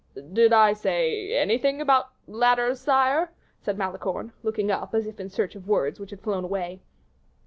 "Did I say anything about ladders, sire?" said Malicorne, looking up, as if in search of words which had flown away.